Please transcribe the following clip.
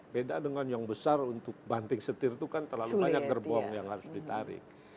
beda dengan yang besar untuk banting setir itu kan terlalu banyak gerbong yang harus ditarik